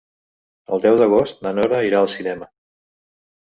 El deu d'agost na Nora irà al cinema.